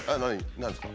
何ですか？